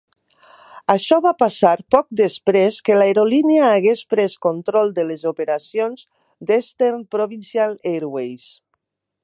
Això va passar poc després que l'aerolínia hagués pres control de les operacions d'"Eastern Provincial Airways".